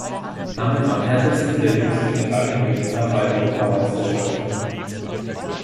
Damit war Paterson der jüngste Medaillengewinner bei Europameisterschaften.